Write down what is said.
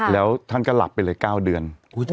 แล้วท่านก็หลับไปเลยเจอเจ้าเดือน